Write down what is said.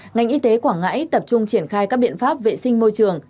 ngành y tế quảng ngãi tập trung triển khai các biện pháp vệ sinh môi trường